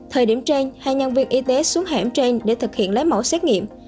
thời điểm trên hai nhân viên y tế xuống hẻm trên để thực hiện lấy mẫu xét nghiệm